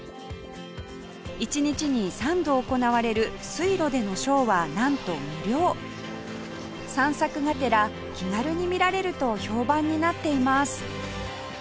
一日に三度行われる水路でのショーはなんと無料散策がてら気軽に見られると評判になっています